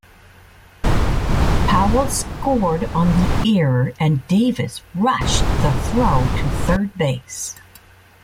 Powell scored on the error, and Davis rushed the throw to third base.